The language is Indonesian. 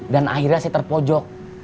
dan akhirnya saya terpojok